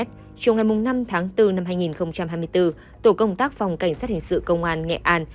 chiều ngày năm tháng bốn năm hai nghìn hai mươi bốn tổ công tác phòng cảnh sát hình sự công an nghệ an